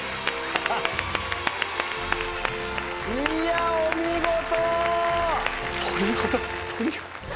いやお見事！